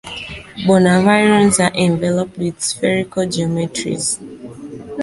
Bornavirions are enveloped, with spherical geometries.